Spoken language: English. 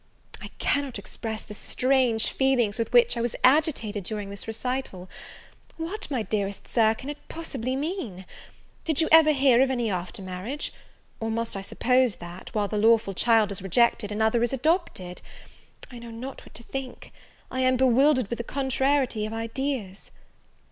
I cannot express the strange feelings with which I was agitated during this recital. What, my dearest Sir, can it possibly mean? Did you ever hear of any after marriage? or must I suppose, that, while the lawful child is rejected, another is adopted? I know not what to think! I am bewildered with a contrariety of ideas!